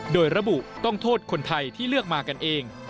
โดยระบุต้องโทษคนไทยที่เลือกมากันเอง